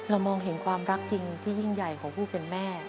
มองเห็นความรักจริงที่ยิ่งใหญ่ของผู้เป็นแม่